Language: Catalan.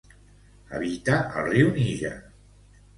Habita al riu Níger.